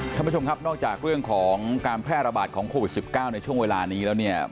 ท่านผู้ชมครับนอกจากเรื่องของการแพร่ระบาดของโควิด๑๙ในช่วงเวลานี้แล้วเนี่ย